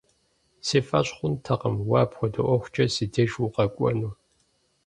Си фӀэщ хъунтэкъым уэ апхуэдэ ӀуэхукӀэ си деж укъэкӀуэну.